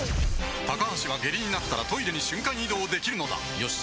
高橋は下痢になったらトイレに瞬間移動できるのだよし。